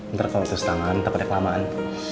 ntar kalo sesuai tangan takutnya kelamaan